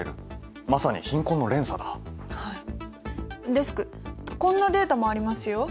デスクこんなデータもありますよ。